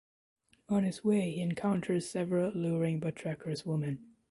On his way he encounters several alluring but treacherous women.